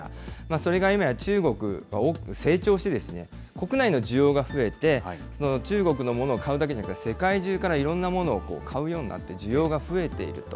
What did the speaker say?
それが今や、中国、大きく成長して、国内の需要が増えて、中国のものを買うだけじゃなくて、世界中からいろんなものを買うようになって、需要が増えていると。